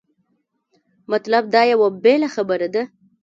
مطلب دا یوه بېله خبره ده.